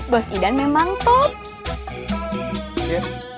bos idan memang top